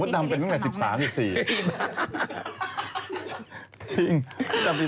วุฒิภรรยศบำเป็นตั้งแต่๑๓๑๔